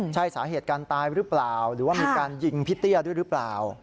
ใช่สาเหตุการตายหรือเปล่าหรือว่ามีการยิงพี่เตี้ยด้วยหรือเปล่า